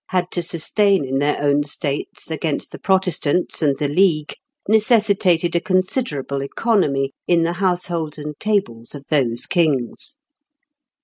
had to sustain in their own states against the Protestants and the League necessitated a considerable economy in the households and tables of those kings.